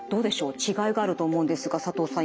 違いがあると思うんですが佐藤さん